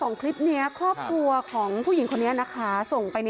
นี่เดี๋ยวอาการของเธอกินข้าวอยู่ในห้องนอน